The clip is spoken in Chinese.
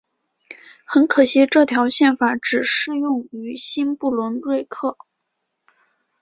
很可惜这条宪法只适用于新不伦瑞克。